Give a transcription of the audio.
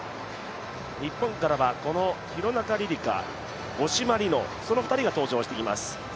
日本からはこの廣中璃梨佳、五島莉乃の２人が登場してきます。